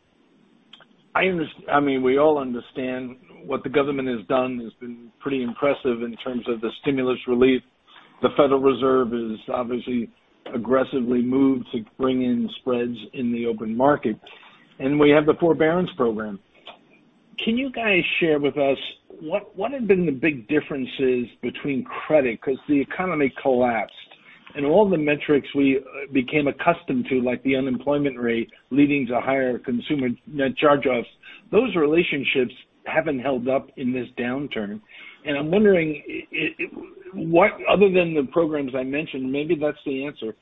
We all understand what the government has done has been pretty impressive in terms of the stimulus relief. The Federal Reserve has obviously aggressively moved to bring in spreads in the open market. We have the forbearance program. Can you guys share with us what have been the big differences between credit? Because the economy collapsed, and all the metrics we became accustomed to, like the unemployment rate leading to higher consumer net charge-offs, those relationships haven't held up in this downturn. I'm wondering, other than the programs I mentioned, maybe that's the answer.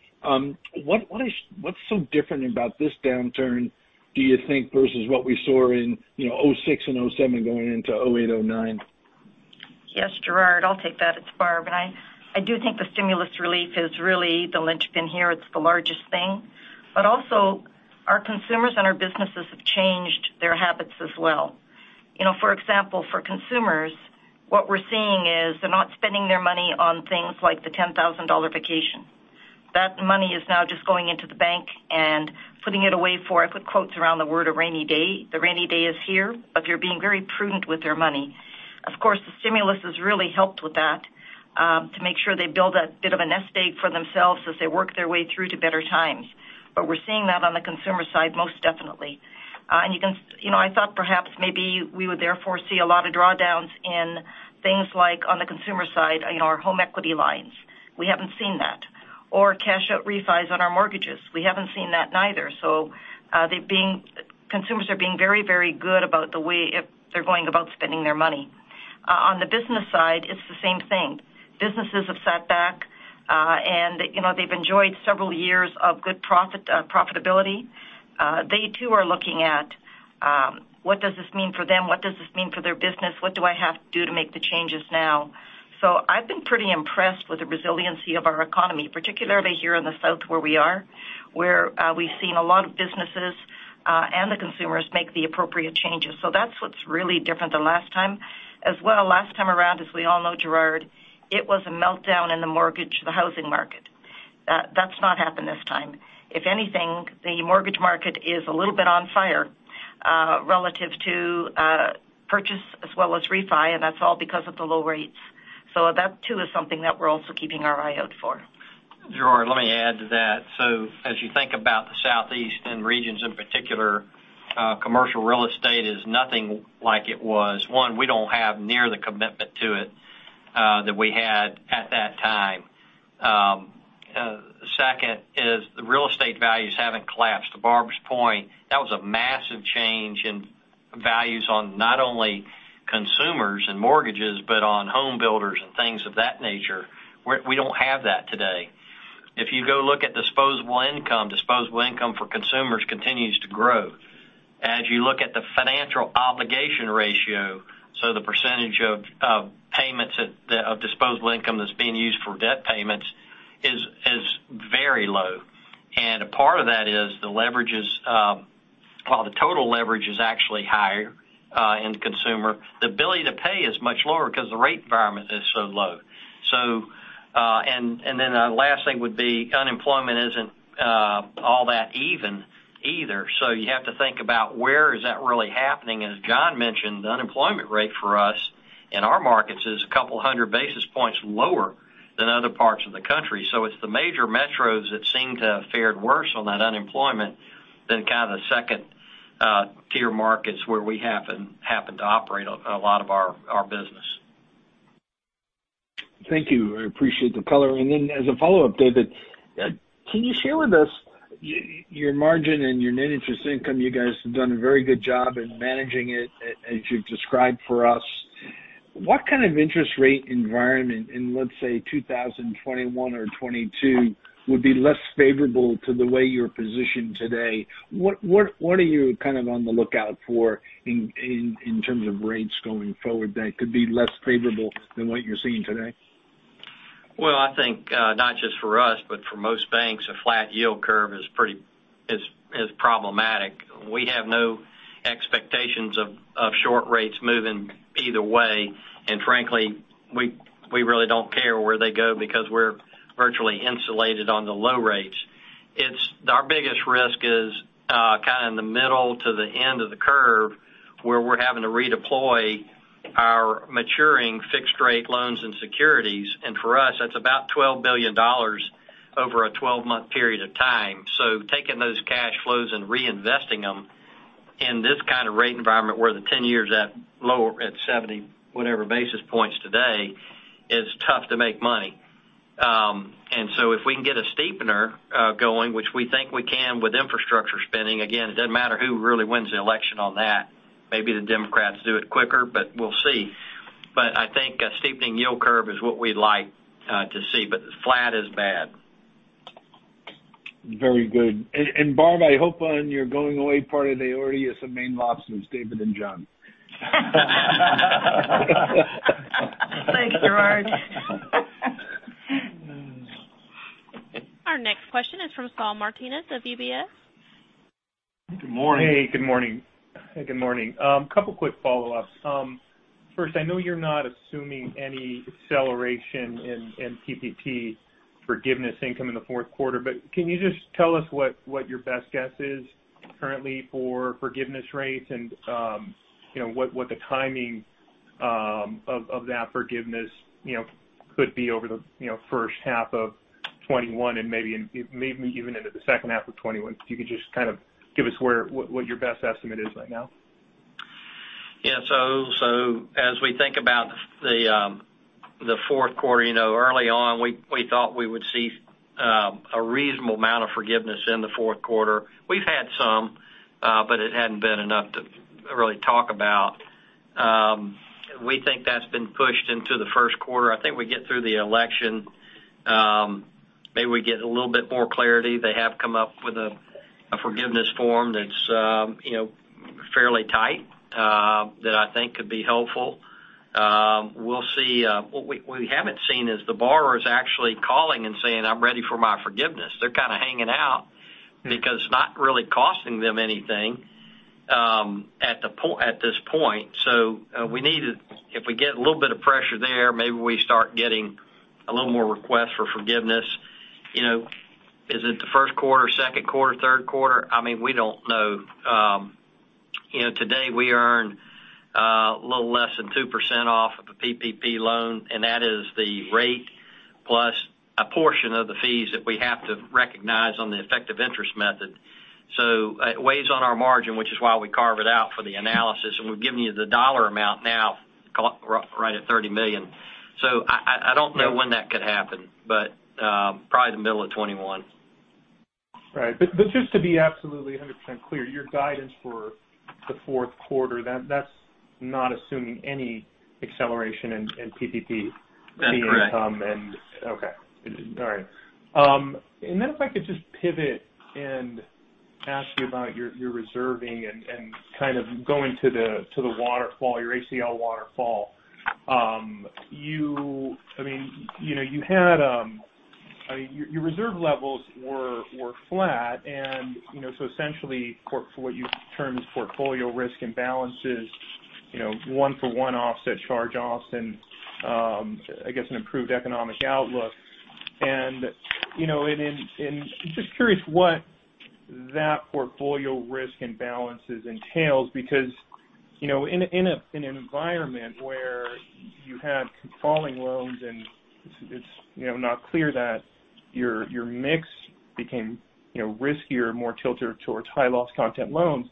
What's so different about this downturn, do you think, versus what we saw in 2006 and 2007 going into 2008, 2009? Yes, Gerard, I'll take that. It's Barb. I do think the stimulus relief is really the linchpin here. It's the largest thing. Also our consumers and our businesses have changed their habits as well. For example, for consumers, what we're seeing is they're not spending their money on things like the $10,000 vacation. That money is now just going into the bank and putting it away for, I put quotes around the word, a rainy day. The rainy day is here, but they're being very prudent with their money. Of course, the stimulus has really helped with that, to make sure they build a bit of a nest egg for themselves as they work their way through to better times. We're seeing that on the consumer side, most definitely. I thought perhaps maybe we would therefore see a lot of drawdowns in things like on the consumer side, our home equity lines. We haven't seen that. Or cash out refis on our mortgages. We haven't seen that neither. Consumers are being very good about the way they're going about spending their money. On the business side, it's the same thing. Businesses have sat back, and they've enjoyed several years of good profitability. They too are looking at what does this mean for them, what does this mean for their business? What do I have to do to make the changes now? I've been pretty impressed with the resiliency of our economy, particularly here in the South where we are, where we've seen a lot of businesses, and the consumers make the appropriate changes. That's what's really different than last time. As well, last time around, as we all know, Gerard, it was a meltdown in the mortgage, the housing market. That's not happened this time. If anything, the mortgage market is a little bit on fire, relative to purchase as well as refi, and that's all because of the low rates. That too is something that we're also keeping our eye out for. Gerard, let me add to that. As you think about the Southeast and Regions in particular, commercial real estate is nothing like it was. One, we don't have near the commitment to it that we had at that time. Second is the real estate values haven't collapsed. To Barb's point, that was a massive change in values on not only consumers and mortgages, but on home builders and things of that nature. We don't have that today. If you go look at disposable income, disposable income for consumers continues to grow. As you look at the financial obligation ratio, the percentage of payments of disposable income that's being used for debt payments is very low. A part of that is the leverages, while the total leverage is actually higher in consumer, the ability to pay is much lower because the rate environment is so low. The last thing would be unemployment isn't all that even either. You have to think about where is that really happening. As John mentioned, the unemployment rate for us in our markets is a couple of 100 basis points lower than other parts of the country. It's the major metros that seem to have fared worse on that unemployment than kind of the second-tier markets where we happen to operate a lot of our business. Thank you. I appreciate the coloring in. As a follow-up, David, can you share with us your margin and your net interest income? You guys have done a very good job in managing it as you've described for us. What kind of interest rate environment in, let's say, 2021 or 2022 would be less favorable to the way you're positioned today? What are you kind of on the lookout for in terms of rates going forward that could be less favorable than what you're seeing today? Well, I think, not just for us, but for most banks, a flat yield curve is problematic. We have no expectations of short rates moving either way. Frankly, we really don't care where they go because we're virtually insulated on the low rates. Our biggest risk is kind of in the middle to the end of the curve where we're having to redeploy our maturing fixed rate loans and securities. For us, that's about $12 billion over a 12-month period of time. Taking those cash flows and reinvesting them in this kind of rate environment where the 10-year is at lower at 70 basis points today, is tough to make money. If we can get a steepener going, which we think we can with infrastructure spending, again, it doesn't matter who really wins the election on that. Maybe the Democrats do it quicker, but we'll see. I think a steepening yield curve is what we'd like to see, but flat is bad. Very good. Barb, I hope on your going away party, they order you some Maine lobsters, David and John. Thanks, Gerard. Our next question is from Saul Martinez of UBS. Good morning. Hey, good morning. A couple quick follow-ups. First, I know you're not assuming any acceleration in PPP forgiveness income in the fourth quarter, but can you just tell us what your best guess is currently for forgiveness rates and what the timing of that forgiveness could be over the first half of 2021 and maybe even into the second half of 2021? If you could just kind of give us what your best estimate is right now. As we think about the fourth quarter, early on, we thought we would see a reasonable amount of forgiveness in the fourth quarter. We've had some, it hadn't been enough to really talk about. We think that's been pushed into the first quarter. I think we get through the election, maybe we get a little bit more clarity. They have come up with a forgiveness form that's fairly tight, that I think could be helpful. We'll see. What we haven't seen is the borrowers actually calling and saying, I'm ready for my forgiveness. They're kind of hanging out because it's not really costing them anything at this point. If we get a little bit of pressure there, maybe we start getting a little more requests for forgiveness. Is it the first quarter, second quarter, third quarter? We don't know. Today, we earned a little less than 2% off of the PPP loan. That is the rate plus a portion of the fees that we have to recognize on the effective interest method. It weighs on our margin, which is why we carve it out for the analysis. We're giving you the dollar amount now, right at $30 million. I don't know when that could happen, probably the middle of 2021. Right. Just to be absolutely 100% clear, your guidance for the fourth quarter, that's not assuming any acceleration in PPP? That's correct. any income. Okay. All right. If I could just pivot and ask you about your reserving and kind of go into the waterfall, your ACL waterfall. Your reserve levels were flat, and so essentially, for what you term as portfolio risk imbalances, one for one offset charge-offs, and I guess an improved economic outlook. I'm just curious what that portfolio risk imbalances entails. In an environment where you have falling loans and it's not clear that your mix became riskier, more tilted towards high loss content loans,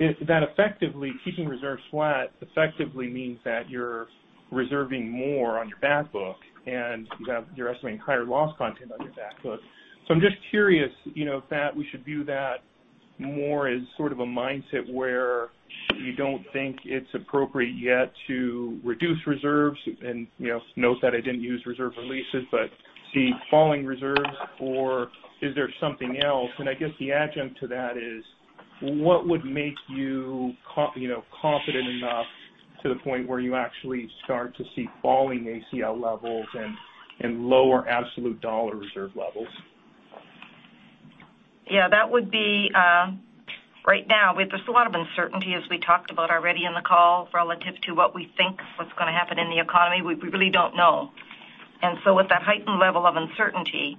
that effectively keeping reserves flat effectively means that you're reserving more on your bad book, and you're estimating higher loss content on your bad book. I'm just curious if we should view that more as sort of a mindset where you don't think it's appropriate yet to reduce reserves, and note that I didn't use reserve releases, but see falling reserves, or is there something else? I guess the adjunct to that is what would make you confident enough to the point where you actually start to see falling ACL levels and lower absolute dollar reserve levels? Yeah, right now, there's a lot of uncertainty as we talked about already in the call relative to what we think what's going to happen in the economy. We really don't know. With that heightened level of uncertainty,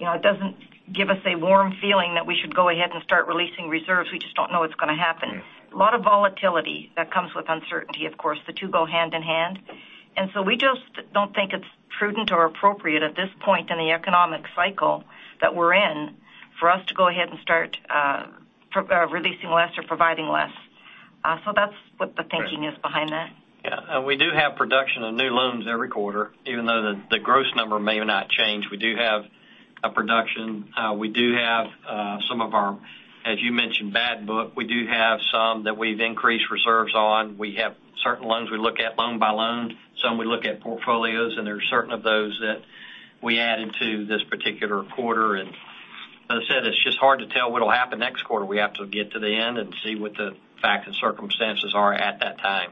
it doesn't give us a warm feeling that we should go ahead and start releasing reserves. We just don't know what's going to happen. Yeah. A lot of volatility that comes with uncertainty, of course. The two go hand in hand. We just don't think it's prudent or appropriate at this point in the economic cycle that we're in for us to go ahead and start releasing less or providing less. That's what the thinking is behind that. Yeah. We do have production of new loans every quarter, even though the gross number may not change. We do have a production. We do have some of our, as you mentioned, bad book. We do have some that we've increased reserves on. We have certain loans we look at loan by loan. Some we look at portfolios. There are certain of those that we add into this particular quarter. As I said, it's just hard to tell what'll happen next quarter. We have to get to the end and see what the facts and circumstances are at that time.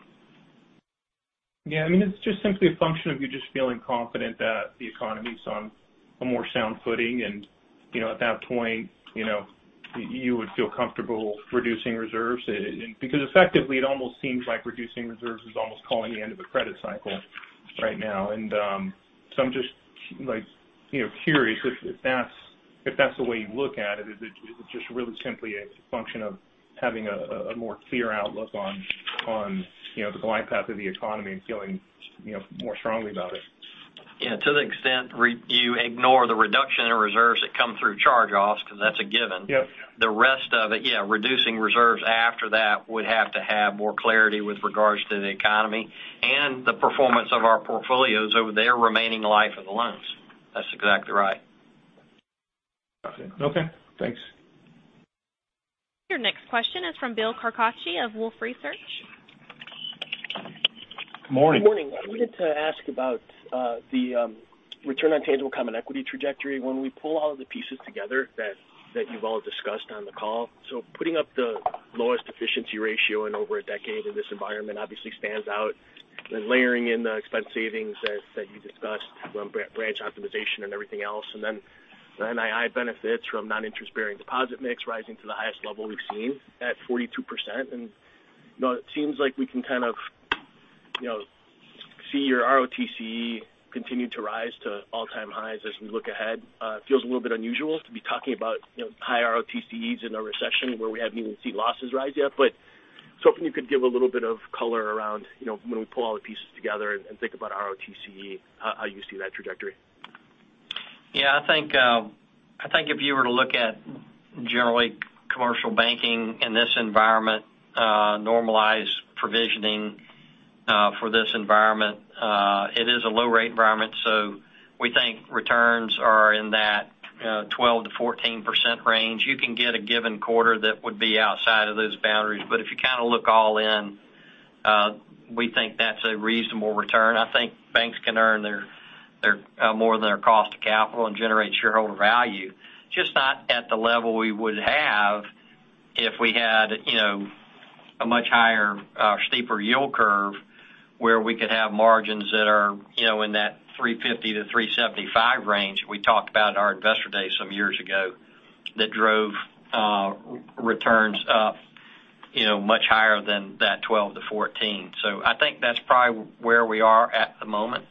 Yeah. It's just simply a function of you just feeling confident that the economy's on a more sound footing, and at that point, you would feel comfortable reducing reserves. Effectively, it almost seems like reducing reserves is almost calling the end of the credit cycle right now. I'm just curious if that's the way you look at it. Is it just really simply a function of having a more clear outlook on the glide path of the economy and feeling more strongly about it? Yeah. To the extent you ignore the reduction in reserves that come through charge-offs, because that's a given. Yep. The rest of it, yeah, reducing reserves after that would have to have more clarity with regards to the economy and the performance of our portfolios over their remaining life of the loans. That's exactly right. Okay. Thanks. Your next question is from Bill Carcache of Wolfe Research. Morning. Morning. I wanted to ask about the return on tangible common equity trajectory. When we pull all of the pieces together that you've all discussed on the call, putting up the lowest efficiency ratio in over a decade in this environment obviously stands out. Layering in the expense savings that you discussed from branch optimization and everything else, NII benefits from non-interest bearing deposit mix rising to the highest level we've seen at 42%. It seems like we can kind of see your ROTCE continue to rise to all-time highs as we look ahead. It feels a little bit unusual to be talking about high ROTCEs in a recession where we haven't even seen losses rise yet, was hoping you could give a little bit of color around when we pull all the pieces together and think about ROTCE, how you see that trajectory. Yeah, I think if you were to look at generally commercial banking in this environment, normalized provisioning for this environment, it is a low rate environment. We think returns are in that 12%-14% range. You can get a given quarter that would be outside of those boundaries, but if you kind of look all in, we think that's a reasonable return. I think banks can earn more than their cost of capital and generate shareholder value. Just not at the level we would have if we had a much higher, steeper yield curve where we could have margins that are in that 350-375 range we talked about at our investor day some years ago that drove returns up much higher than that 12%-14%. I think that's probably where we are at the moment.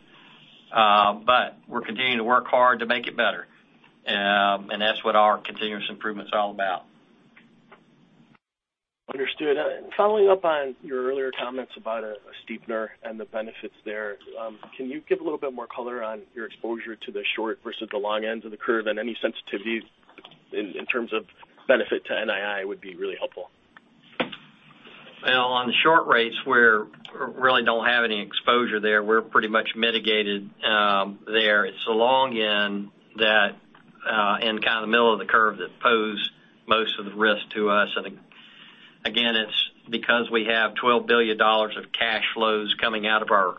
We're continuing to work hard to make it better. That's what our continuous improvement's all about. Understood. Following up on your earlier comments about a steepener and the benefits there, can you give a little bit more color on your exposure to the short versus the long ends of the curve and any sensitivities in terms of benefit to NII would be really helpful. Well, on the short rates, we really don't have any exposure there. We're pretty much mitigated there. It's the long end that, and kind of the middle of the curve, that pose most of the risk to us. Again, it's because we have $12 billion of cash flows coming out of our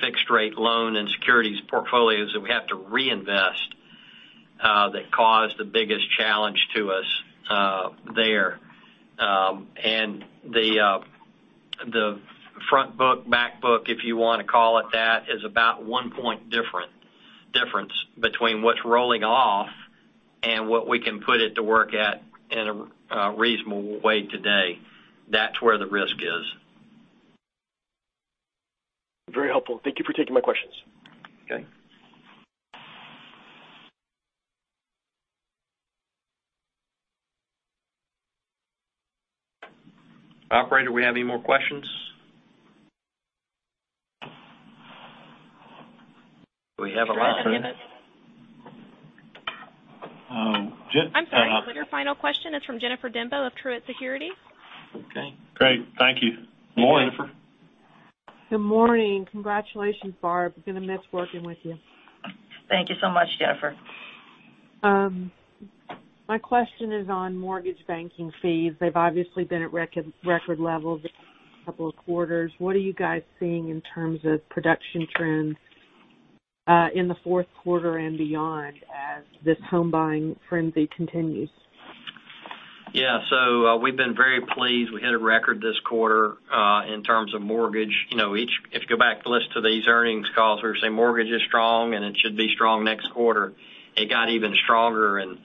fixed rate loan and securities portfolios that we have to reinvest, that cause the biggest challenge to us there. The front book, back book, if you want to call it that, is about one point difference between what's rolling off and what we can put it to work at in a reasonable way today. That's where the risk is. Very helpful. Thank you for taking my questions. Okay. Operator, do we have any more questions? We have a line. I'm sorry. Your final question is from Jennifer Demba of Truist Securities. Okay. Great. Thank you. Morning, Jennifer. Good morning. Congratulations, Barb. We're going to miss working with you. Thank you so much, Jennifer. My question is on mortgage banking fees. They've obviously been at record levels a couple of quarters. What are you guys seeing in terms of production trends, in the fourth quarter and beyond as this home buying frenzy continues? Yeah, we've been very pleased. We hit a record this quarter, in terms of mortgage. If you go back to list of these earnings calls, we were saying mortgage is strong and it should be strong next quarter. It got even stronger and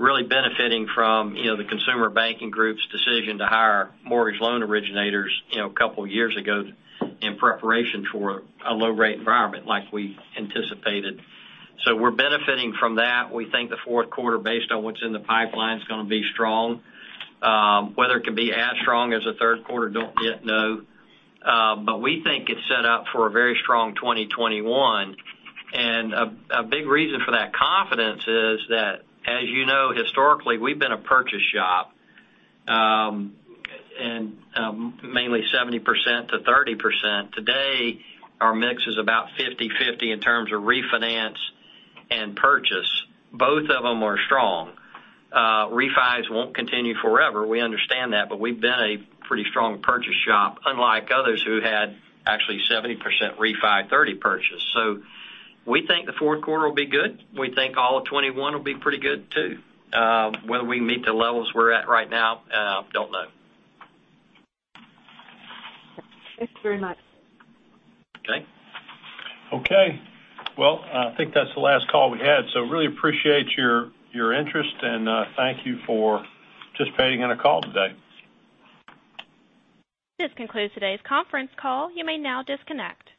really benefiting from the consumer banking group's decision to hire mortgage loan originators a couple of years ago in preparation for a low rate environment, like we anticipated. We're benefiting from that. We think the fourth quarter, based on what's in the pipeline, is going to be strong. Whether it can be as strong as the third quarter, don't yet know. We think it's set up for a very strong 2021. A big reason for that confidence is that, as you know, historically, we've been a purchase shop, and mainly 70%-30%. Today, our mix is about 50/50 in terms of refinance and purchase. Both of them are strong. Refis won't continue forever, we understand that. We've been a pretty strong purchase shop, unlike others who had actually 70% refi, 30% purchase. We think the fourth quarter will be good. We think all of 2021 will be pretty good, too. Whether we can meet the levels we're at right now, don't know. Thanks very much. Okay. Okay, well, I think that's the last call we had. Really appreciate your interest, and thank you for participating in our call today. This concludes today's conference call. You may now disconnect.